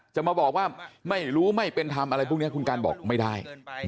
จะมาบอกว่าไม่รู้ไม่เป็นธรรมอะไรพวกนี้คุณกันบอกไม่ได้